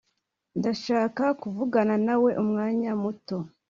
ndashaka kuvugana nawe umwanya muto